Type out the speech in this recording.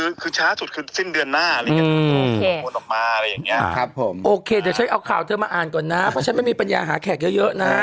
ก็คือช้าที่สุดเพิ่งสิ้นเดือนหน้ามึงโพลอบมาอะไรเงี้ย